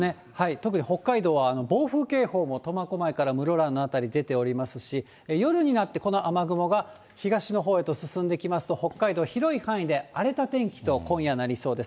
特に、北海道は暴風警報も、苫小牧から室蘭の辺り出ておりますし、夜になって、この雨雲が東のほうへと進んできますと、北海道、広い範囲で荒れた天気と、今夜なりそうです。